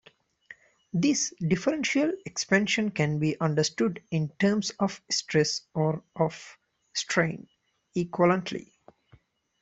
This differential expansion can be understood in terms of stress or of strain, equivalently.